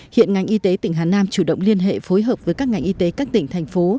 hiện ngành y tế tỉnh hà nam chủ động liên hệ phối hợp với các ngành y tế các tỉnh thành phố